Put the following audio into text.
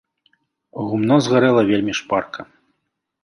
Гумно згарэла вельмі шпарка.